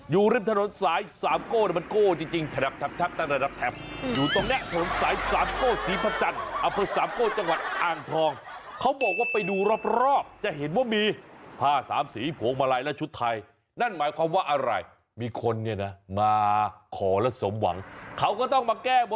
อยู่ริมถนนสายสามโก้นำลังโก้จริงทับ